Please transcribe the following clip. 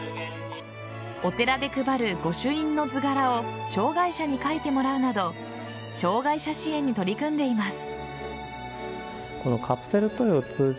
お寺で配る御朱印の図柄を障害者に描いてもらうなど障害者支援に取り組んでいます。